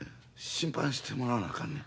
審判してもらわなあかんねん。